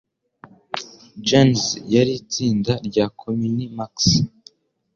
Gens yari itsinda rya komini Marx,